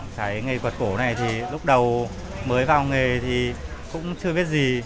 cái nghề quạt cổ này thì lúc đầu mới vào nghề thì cũng chưa biết gì